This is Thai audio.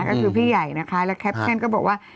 ก็คือพี่ใหญ่นะคะแล้วแคปชั่นก็บอกว่า